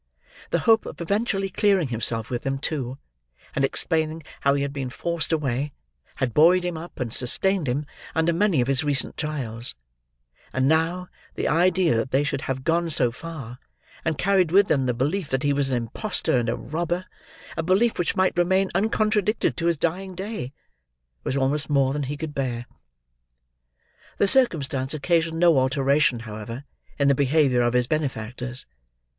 The hope of eventually clearing himself with them, too, and explaining how he had been forced away, had buoyed him up, and sustained him, under many of his recent trials; and now, the idea that they should have gone so far, and carried with them the belief that he was an impostor and a robber—a belief which might remain uncontradicted to his dying day—was almost more than he could bear. The circumstance occasioned no alteration, however, in the behaviour of his benefactors.